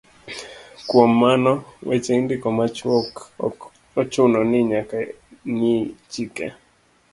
Kuom mano, weche indiko machuok, ok ochuno ni nyaka ng'i chike